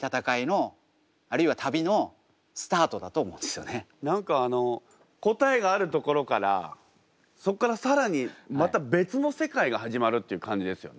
でも何かあの答えがあるところからそっから更にまた別の世界が始まるっていう感じですよね。